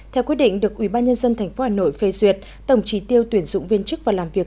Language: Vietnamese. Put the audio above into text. theo quyết định được ubnd tp hà nội phê duyệt tổng trí tiêu tuyển dụng viên chức và làm việc